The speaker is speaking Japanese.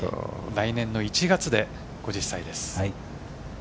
来年の１月で５０歳です。